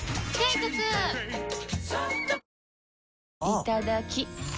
いただきっ！